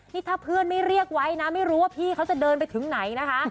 นี่ถ้าเพื่อนไม่เรียกไว้นะไม่รู้ว่าพี่เขาจะเดินไปถึงไหนนะคะ